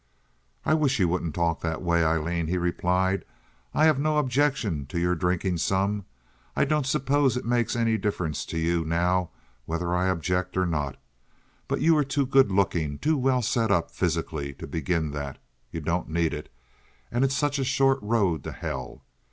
"I wish you wouldn't talk that way, Aileen," he replied. "I have no objection to your drinking some. I don't suppose it makes any difference to you now whether I object or not. But you are too good looking, too well set up physically, to begin that. You don't need it, and it's such a short road to hell.